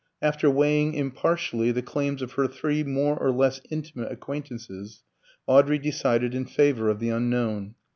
After weighing impartially the claims of her three more or less intimate acquaintances, Audrey decided in favour of the unknown.